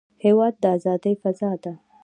هېواد د ازادۍ فضا ده.